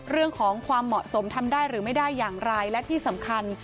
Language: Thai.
เรื่องของความเหมาะสมทำได้หรือไม่ได้อย่างไรและที่สำคัญ